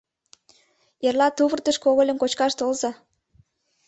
Эрла тувыртыш когыльым кочкаш толза.